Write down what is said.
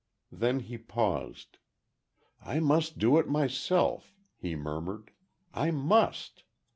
Then he paused; "I must do it myself—" he murmured: "_I must.